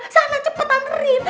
sana cepet hantarin